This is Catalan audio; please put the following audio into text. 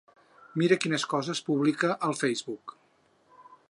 Mira quines coses publica al facebook!